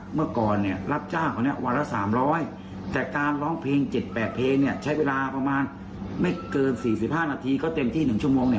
เมื่อก่อนเนี่ยรับจ้างคนนี้วันละ๓๐๐แต่การร้องเพลง๗๘เพลงเนี่ยใช้เวลาประมาณไม่เกิน๔๕นาทีก็เต็มที่๑ชั่วโมงเนี่ย